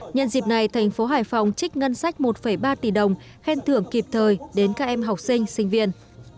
nhân dịp này thành phố hải phòng trích ngân sách một ba tỷ đồng khen thưởng kịp thời đến các em học sinh sinh viên